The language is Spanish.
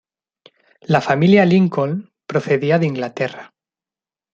La familia Lincoln procedía de Inglaterra.